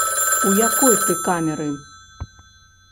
У якой ты камеры?